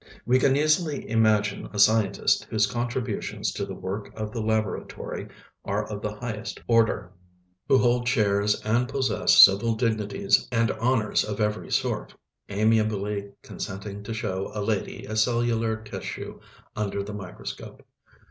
We can easily imagine a scientist whose contributions to the work of the laboratory are of the highest order, who holds chairs and possesses civil dignities and honors of every sort, amiably consenting to show a lady a cellular tissue under the microscope.